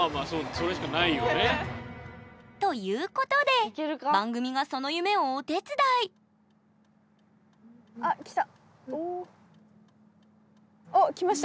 それしかないよね。ということで番組がその夢をお手伝いＯＫ！わ！来た！